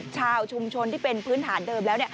ชาวชุมชนที่เป็นพื้นฐานเดิมแล้ว